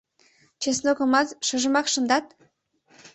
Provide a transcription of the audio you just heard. Чеснокымат шыжымак шындат?